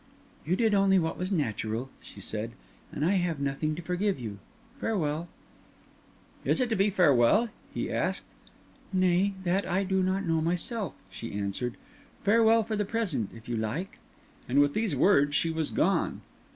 "You did only what was natural," she said, "and I have nothing to forgive you. Farewell." "Is it to be farewell?" he asked. "Nay, that I do not know myself," she answered. "Farewell for the present, if you like." And with these words she was gone.